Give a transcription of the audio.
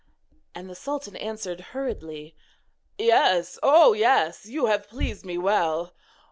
And the sultan answered hurriedly: 'Yes! oh, yes! you have pleased me well!